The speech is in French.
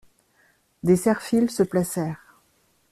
Des serre-files se placèrent.